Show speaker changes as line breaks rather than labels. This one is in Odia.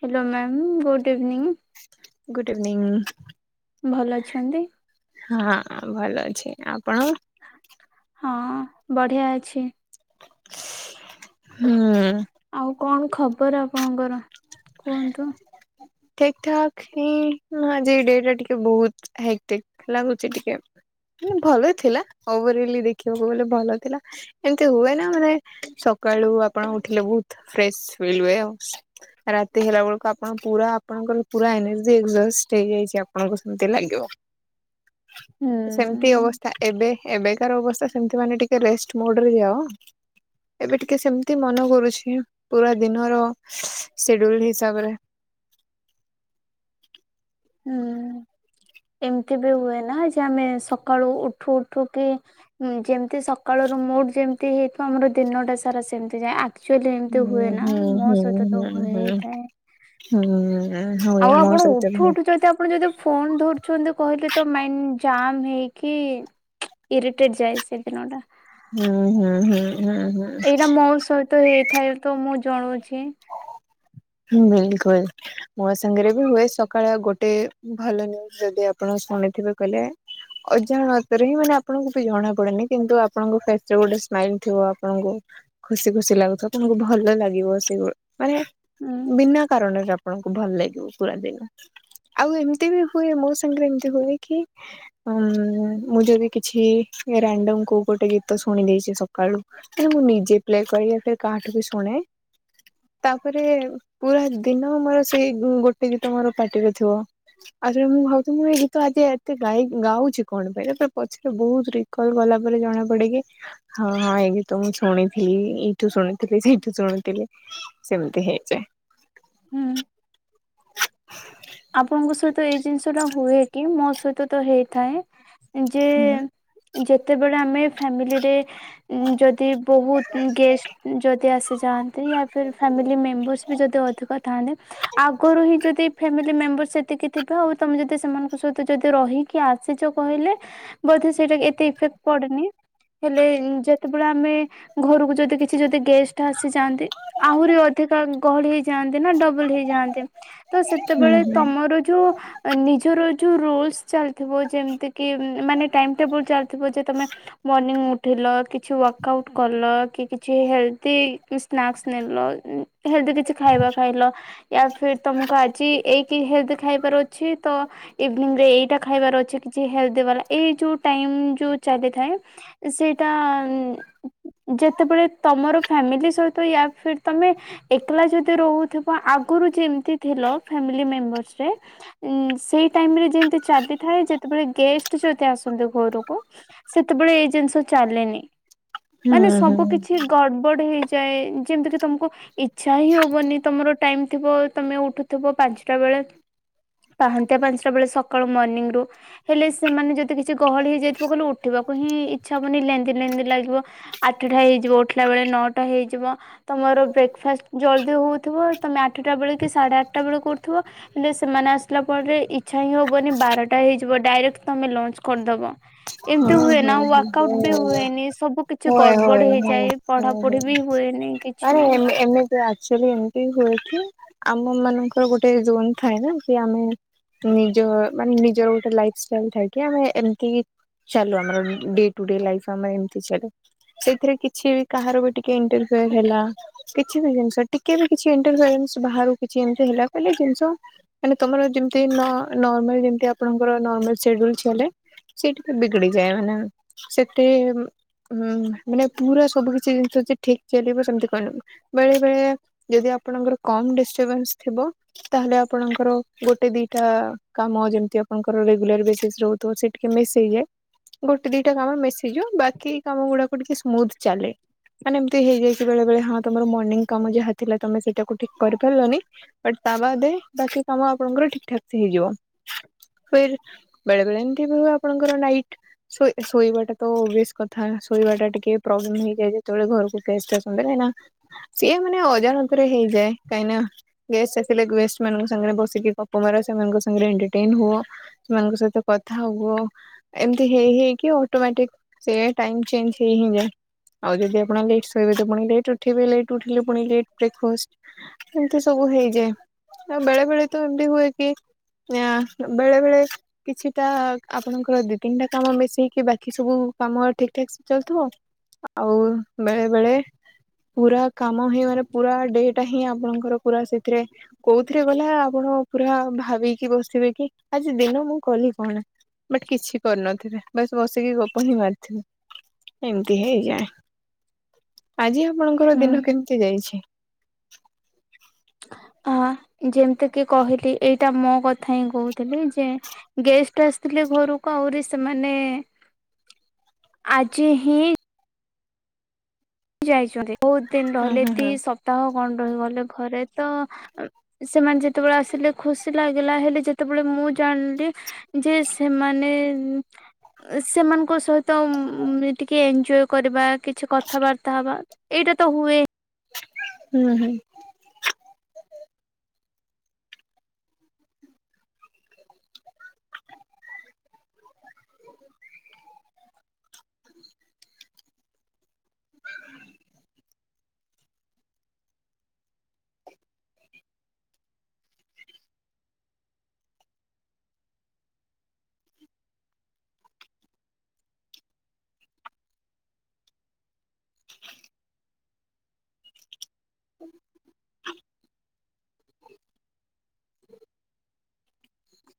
Hello ma'am good evening.
Good evening.
ଭଲ ଅଛନ୍ତି?
ହଁ ଭଲ ଅଛି। ଆପଣ?
ହଁ ବଢିଆ ଅଛି। ଆଉ
ହୁଁ।
କଣ ଖବର ଆପଣଙ୍କର କୁହନ୍ତୁ?
ଠିକ୍ ଠାକ୍ ହିଁ ଆଜି ଡେ ଟା ଟିକେ ବହୁ ହେ ଠିକ୍ ଲାଗୁଛି ଟିକେ। ଭଲଥିଲା ଓଭରିଲ୍ ଲି ଦେଖିବାକୁ ଗଲେ ଭଲ ଥିଲା। ଏମତି ହୁଏ ନା ମାନେ ସକାଳୁ ଆପଣ ଉଠିଲେ ବହୁତ ଫ୍ରେସ୍ ଫିଲ୍ ହୁଏ ଆଉ ରାତି ହେଲା ବେଳକୁ ଆପଣ ପୁରା ଆପଣଙ୍କର ପୁରା ଏନର୍ଜି ଏକଜଷ୍ଟ ହେଇଯାଇଛି ଆପଣଙ୍କୁ ସେମତି ଲାଗିବ।
ହୁଁ
ସେମିତି ଅବସ୍ଥା ଏବେ ଏବେ ତାର ଅବସ୍ଥା ସେମତି ମାନେ ଟିକେ ରେଷ୍ଟ ମୋଡ ରେ ଯାଅ। ଏବେ ଟିକେ ସେମିତି ମନେ କରୁଛି ପୁରା ଦିନର ସିଡ୍ୟୁଲ ହିସାବରେ
ହୁଁ ଏମିତି ବି ହୁଏ ନା ଯେ ଆମେ ସକାଳୁ ଉଠୁ ଉଠୁ କି ଯେମତି ସକାଳୁ ର ମୁଡ଼ ଯେମିତି ହେଇଥିବ ଆମର ଦିନ ଟା ସାରା ସେମିତି ଯାଏ। ଆକ୍
ହୁଁ ହୁଁ ହୁଁ ହୁଁ
ହୁଏ
ହୁଁ
ହେଇଥାଏ।
ହୁଁ। ହୁଏ
ଆଉ
ମୋ
ଆପଣ
ସହିତ ବି
ଉଠୁ
ହୁଏ।
ଉଠୁ ଯଦି ଆପଣ ଯଦି ଫୋନ୍ ଧରୁଛନ୍ତି କହିଲେ ତ ମାଇଣ୍ଡ ଜାମ୍ ହେଇକି ଇରିଟେଟ୍ ଯାଏ ସେ ଦିନଟା।
ହୁଁ ହୁଁ ହୁଁ। ହୁଁ
ଏଇଟା ମୋ ସହିତ ହେଇଥାଏ। ତ ମୁଁ ଚଳୁଛି।
ବିଲକୁଲ୍ ମୋ ସାଙ୍ଗରେ ବି ହୁଏ। ସକାଳେ ଗୋଟେ ଭଲ ନ୍ୟୁଜ ଯଦି ଆପଣ ଶୁଣିଥିବେ, କହିଲେ ଅଜାଣତରେ ହିଁ ମାନେ ଆପଣଙ୍କୁ ବି ଜଣା ପଡେନି କିନ୍ତୁ ଆପଣଙ୍କ ଫେସରେ ଗୋଟେ ସ୍ମାଇଲ ଥିବ ଆପଣଙ୍କୁ ଖୁସି ଖୁସି ଲାଗୁଥିବ। ଆପଣଙ୍କୁ ଭଲ ଲାଗିବ ସେଗୁ ମାନେ
ହୁଁ
ବିନା କାରଣରେ ଆପଣଙ୍କୁ ଭଲ ଲାଗେ ତୁ କୁଳା ଦେନୁ। ଆଉ ଏମିତି ବି ହୁଏ ମୋ ସାଙ୍ଗରେ ଏମିତି ହୁଏ କି? ଉଁ ମୁଁ ଯଦି କିଛି ରାଣ୍ଡମ କୋଉ ଗୋଟେ ଗୀତ ଶୁଣିଦେଇଛି ସକାଳୁ ମୁଁ ନିଜେ ପ୍ଲେ କରି କାହାଠୁ ବି ଶୁଣେ ତାପରେ? ପୁରା ଦିନ ମୋର ସେଇ ଗୋଟେ ଗୀତ ମୋର ପାର୍ଟିରେ ଥିବ ଆଉଥ ମୁଁ ଭାବଛିି ମୁଁ ଏଇ ଗୀତ ଆଜି ଏତେ ଗାଉଛି କଣ ପାଇଁ ତା ପଛରେ ବହୁତ ରିକଲ ଗଲା ପରେ ଜଣା ପଡେ କି ହଁ ହଁ ଏଇ ଗୀତ ମୁଁ ଶୁଣିଥିଲି। ଏଇଠୁ ଶୁଣୁଥିଲି ସେଇଠୁ ଶୁଣୁଥିଲି ସେମିତି ହେଇଯାଏ।
ହୁଁ ଆପଣଙ୍କ ସହିତ ଏଇ ଜିନିଷ ଟା ହୁଏ କି ମୋ ସହିତ ତ ହେଇଥାଏ। ଯେ
ହୁଁ
ଯେତେବେଳେ ଆମେ ଫାମିଲିରେ ଯଦି ବହୁତ ଗେଷ୍ଟ ଯଦି ଆସି ଯାଆନ୍ତି ୟା ଫିର ଫ୍ୟାମିଲି ମେମ୍ବର୍ସ ବି ଯଦି ଅଧିକ ଥାଆନ୍ତେ ଆଗରୁ ହିଁ ଯଦି ଫାମିଲି ମେମ୍ବର ସେତିକି ଥିବେ ଆଉ ତୁମେ ଯଦି ସେମାନଙ୍କ ସହିତ ଯଦି ରହିକି ଆସିଛ କହିଲେ ବୋଧେ ସେଇଟା ଏତେଇଫେକ୍ଟ ପଡନି ହେଲେ ଯେତେ ଆମେ ଘରକୁ ଯଦି କିଛି ଯଦି ଗେଷ୍ଟ ଆସିଯାଆନ୍ତି ଆହୁରି ଅଧିକା ଗହଳି ହେଇଯାଆନ୍ତି ନା ଡବଲ ହେଇଯାଆନ୍ତି ତ ସେ
ହୁଁ
ସେତେବେଳେ
ହୁଁ
ତମର ଜଉ ନିଜର ଜଉ ରୋଲସ ଚାଲୁଥିବ ଯେମିତିକି ମାନେ ଟାଇମ ଟେବୁଲ ଚାଲିଥିବ ଯେ ତମେ ମର୍ଣ୍ଣି ଉଠେଇିଲ କିଛି ୱାର୍କ ଆଉଟ୍ କଲ କି କିଛି ହେଲ୍ଦି ସ୍ନାକ୍ସ ନେଲ ହେଲଦି କିଛି ଖାଇବା ଖାଇଲ ୟା ଫିର ତମକୁ ଆଜି ହେଲ୍ଦି ଖାଇବାର ଅଛି ତ ଇଭିନିଂରେ ଏଇଟା ଖାଇବାର ଅଛି କିଛି ହେଲ୍ଦି ବାଲା ଏଇ ଯେଉଁ ଟାଇମ୍ ଯେଉଁ ଚାଲିଥାଏ ସେଇଟା ଯେତେବେଳେ ତମର ଫ୍ୟାମିଲି ସହିତ ୟା ଫିର୍ ତମେ ଏକଲା ଯଦି ରହୁଥିବ ଆଗରୁ ଯେମିତି ଥିଲ ାମବ ଯେମତି ଚାଲିଥାଏ ଯେତେବେଳେ ଗେଷ୍ଟ ଯଦି ଆସନ୍ତି ଘରକୁ ସେତେବେଳେ ଏଇ ଜିନିଷ ଚାଲେନି। ମାନେ
ହୁଁ
ସବୁ କିଛି ଗଡବଡ ହେଇ ଯଏ ଯେମିତିକି ତମକୁ ଇଚ୍ଛା ହିଁ ହବନି ତମର ଟାଇମ ଥିବ ତମେ ଉଠୁ ଥିବ ପାଞ୍ଚଟା ବେଳେ ପାହାନ୍ତି ପାଞ୍ଚଟା ବେଳେ ସକାଳୁ ମର୍ଣିିଂ ରୁ ହେଲେ ସେମାନେ ଯଦି କିଛି ଗହଳି ହେଇଯାଇଥିବ କହିଲଲେ ଉଠିବାକୁ ହିଁ ଇଚ୍ଛା ହବନି ଲେନ୍ନ୍ଦି ଲେନ୍ଦି ଲାଗିବ ଆଠଟା ହେଇଯିବ ଉଠିଲା ବେଳେ ନଅଟା ହେଇଯିବ ତମର ବ୍ରେକ୍ଫାଷ୍ଟ ଜଲ୍ଦି ହଉଥିବ ତମେ ଆଠଟା ବେଳେ କି ସାଢେ ଆଠ ଟା ବେ କରୁଥିବ ହେଲେ ସେମାନେ ଆସିଲା ପରେ ଇଛା ହିଁ ହବନି ବାରଟା ହେଇଯିବ ଡାଇକ୍ମେ ଲଞ୍ଚ କରିଦବ।
ହ
ଏମିତି ହୁଏ
ହ
ନା
ହ
ୱାର୍କଆଉଟ ବି ହୁଏନି ସବୁ କିଛି
ହଏ
ଗଡବଡ
ହଏ ହ
ହେଇଯାଏ
ହ ହ
ପଢାପଢି ବି ହୁଏନି କିଛି
ଆରେ ଏ
ନାହିଁ
ଏମକ୍ଚୁଲି ଏମତି ହେଛି।। ଆମ ମାନଙ୍କର ଗୋଟେ ଜୋନ୍ ଥାଏ ନା କି ଆମେ ନିଜ ମାନେ ନିଜର ଗୋଟେ ଲାଇଫଷ୍ଟାଇଲ ଥାାଇକି ଆମେ ଏମିତି ଚାଲ ଆମ ଡ ଟୁ ଡ ଲ ଆମ ଏମ ଚା ସେଥିରେ କିଛି କାହାର ବି ଟିକେ ଇଣ୍ରଫ ହେଲା କିଛି ବି ଜିନିଷ ଟିକେ ବି କିଛି ଇଣ୍ରଫନ୍ ବା କିଛିମ ହେଲା କିଲେ ଜିନିଷ ମାନ ତମର ଯେମମାଲମ ଆପଣଙ୍କରମାଲଲ ଚାଲେ ବିଗଡି ଯାଏ ମାନେ ସେଥିେ ଉ ମାନେ ପୁରା ସବୁ କିଛି ଜିନିଷ ଠିକ ଚାଲିବ ସେମତି କହିନ ବେଳେ ବେଳେ ଯଦି ଆପଣଙ୍କର କମ ତାହେଲେ ଆପଣଙ୍କର ଗୋଟେ ଦିଟା କାମ ଯେମତି ଆପଣଙ୍କର ରେଗୁଲାର ବସି ରହୁଥିବ ସେ ଗୋଟେ ଦିଟା କାମ ମିଶିଯିବ ବାକି କାମ ଗୁଡାକୁ ଟିକେ ସ୍ମୁଥ ଚାଲେ ମାନେ ଏମିତି ହେଇଯାଏ କି ବେଳେ ବଳେ ହଁ ତମର ମର୍ଣିଂ କାମ ଯାହା ଥିଲା ତମେ ସେଇଟାକୁ ଠିକ କରିପାରିଲନି ବଟ୍ ତା ବାଦ ବାକି କାମ ଆପଣଙ୍କର ଠିକ୍ ଠାକ ସେ ହେଇଯିବ ଫର୍ ବେଳେ ବଳେ ଏମିତି ଆପଣଙ୍କର ନାଇଟ୍ ଶୋଇ ଶୋଇବା ଟ ତ ବସ୍ କର ଶୋଇବା ଟା ଟିକେ ପ୍ରୋବ୍ଲେମ ହେଇଯାଏ ଯେତେବେଳେ ଘରକୁ ଗେଷ୍ଟ ଆସନ୍ତିନି ନା ସିଏ ମାନେ ଅଜାଣତରେ ହେଇଯାଏ କାହିଁନା ଗେଷ୍ଟ ଆସିଲେ ଗେଷ୍ଟ ମାନଙ୍କ ସାଙ୍ଗରେ ବସିକି ଗପ ମାର ସେମାନଙ୍କ ସାଙ୍ଗରେ ଏଟରଟ ହୁଅ ସେମାନଙ୍କ ସହିତ କଥା ହୁଅ, ଏମତି ହେଇ ହେଇକି ଅଟୋମଟିକ ହେୟା ଟାଇମ ଚେଞ ହେଇହିଁଯାଏ ଆଉ ଯଦି ଆପଣଯଦି ଲେଟଶୋଇବେ ଲେଟ ଉଠିବେ ଲେଟ ଉଠିଲେ ପୁଣି ଲେଟ ବ୍ରେକଫାଷ୍ଟ ଏମତି ସବୁ ହେଇଯାଏ ଆଉ ବେଳେ ବେଳେ ତ ଏମିତି ହୁଏ କି ବେଳେ ବେଳେ କିଛିଟା ଆପଣଙ୍କର ଦି ତିନିଟା କାମ ମିଶେଇକି ବାକି ସବୁ କାମ ଠିକ ଠାକ ସେ ଚାଲୁଥିବ ଆଉ ବେଳେ ବେଳେ ପୁରା କାମ ହିଁ ମାନେ ପୁରା ଡେଟା ହିଁ ଆପଣଙ୍କର ପୁରା ସେଥିରେ କୋଉଥିରେ ଗଲା ଆପଣ ପୁରା ଭାବି କି ବସିଥିବେ କି ଆଜି ଦିନ ମୁଁ କଲି କଣ? ବଟ୍ କିଛି କରିନଥିବେ ବସ୍ ବସିକି ଗପ ହିଁ ମାରିଥିବେ ଏମିତି ହେଇଯାଏ ଆଜି ଆପଣଙ୍କର
ହୁଁ।
ଦିନ କେମିତି ଯାଇଛି? [inaudible]
ଆଁ ଯେମିତି କି କହିଲି ଏଇଟା ମୋ କଥା ହିଁ କହୁଥିଲି ଯେ ଗେଷ୍ଟ ଆସିଥିଲେ ଘରୁକୁ କହୁରି ସେମାନେ ଆଜି ହିଁ ଯାଇଛନ୍ତି। ବହୁତ ଦିନ
ହୁଁ
ରହିଲେ
ହୁଁ
ଦି
ହୁଁ।
ସପ୍ତାହ କଣ ରହିଗଲେ ଘରେ ତ ସେମାନେ ଯେତେବେଳେ ଆସିଲେ ଖୁସି ଲାଗିଲା ହେଲେ ଯେତେବେଳେ ମୁଁ ଜାଣିଲି ଯେ ସେମାନେ ହୁଁ ସେମାନଙ୍କ ସହିତ ଟିକେ କରିବା କିଛି କଥାବାର୍ତ୍ତା ତାବା ଏଇଟା ତ ହୁଏ।
ହୁଁ ହୁଁ [inaudible]